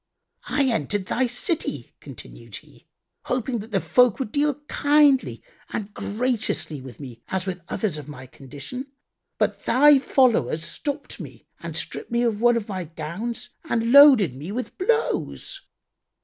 "I entered this thy city" (continued he), "hoping that the folk would deal kindly and graciously with me as with others of my condition,[FN#86] but thy followers stopped me and stripped me of one of my gowns and loaded me with blows.